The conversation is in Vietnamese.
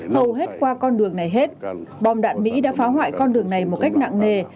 hầu hết qua con đường này hết bom đạn mỹ đã phá hoại con đường này một cách nặng nề